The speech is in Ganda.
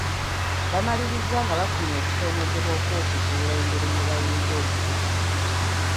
Bamaliriza nga bafunye okusoomoozebwa okw’okuzuula engeri mwe bayinza okuyita.